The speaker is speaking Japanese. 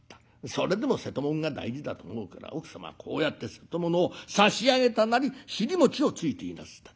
それでも瀬戸物が大事だと思うから奥様はこうやって瀬戸物を差し上げたなり尻餅をついていなすった。